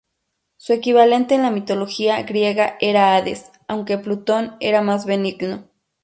Su equivalente en la mitología griega era Hades, aunque Plutón era más benigno.